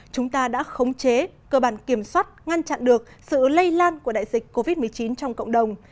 chúng ta đã khống chế cơ bản kiểm soát ngăn chặn được sự lây lan của đại dịch covid một mươi chín trong cộng đồng